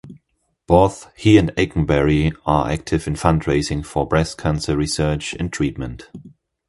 Both he and Eikenberry are active in fund-raising for breast cancer research and treatment.